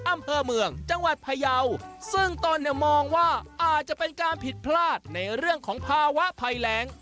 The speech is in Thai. อำเภอเมืองจังหวัดพยาวซึ่งตนเนี่ยมองว่าอาจจะเป็นการผิดพลาดในเรื่องของภาวะภัยแรง